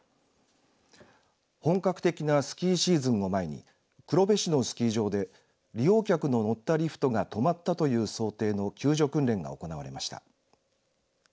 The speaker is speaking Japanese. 本格的なスキーシーズンを前に黒部市のスキー場で利用客の乗ったリフトが止まったという想定の救助訓練が行われました。